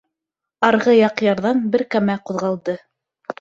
Арғы яҡ ярҙан бер кәмә ҡуҙғалды.